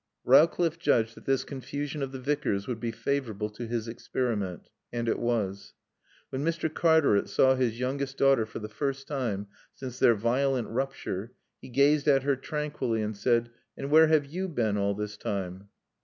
Rowcliffe judged that this confusion of the Vicar's would be favorable to his experiment. And it was. When Mr. Cartaret saw his youngest daughter for the first time since their violent rupture he gazed at her tranquilly and said, "And where have you been all this time?"